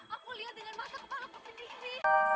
aku lihat dengan mata kepala kepala ini